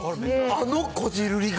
あのこじるりが？